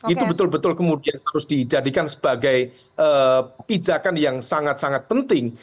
itu betul betul kemudian harus dijadikan sebagai pijakan yang sangat sangat penting